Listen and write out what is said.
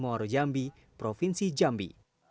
di luar jambi provinsi jambi